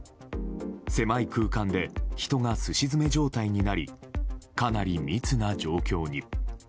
狭い空間で人がすし詰め状態になりかなり密な状況に。